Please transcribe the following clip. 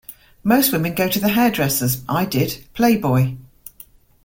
Most women go to the hairdressers - I did "Playboy".